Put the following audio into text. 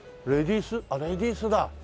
あっレディースだ。